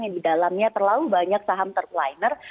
yang didalamnya terlalu banyak saham third liner